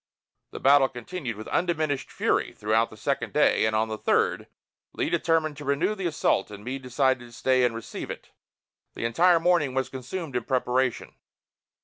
The battle continued with undiminished fury throughout the second day; and on the third, Lee determined to renew the assault and Meade decided to stay and receive it. The entire morning was consumed in preparation.